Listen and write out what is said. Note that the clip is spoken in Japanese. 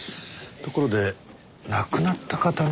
ところで亡くなった方のお名前は？